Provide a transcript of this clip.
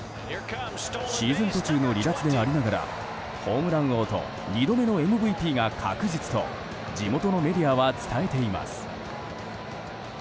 シーズン途中の離脱でありながらホームラン王と２度目のＭＶＰが確実と地元のメディアは伝えています。